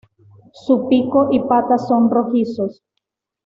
Su pico y patas son rojizos.